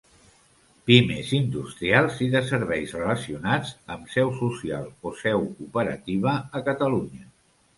Pimes industrials i de serveis relacionats amb seu social o seu operativa a Catalunya.